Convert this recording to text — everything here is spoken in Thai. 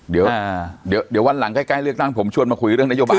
เดี๋ยววันหลังใกล้เลือกตั้งผมชวนมาคุยเรื่องนโยบาย